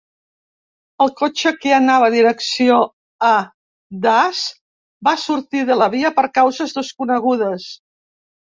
El cotxe que anava direcció a Das va sortir de la via per causes desconegudes.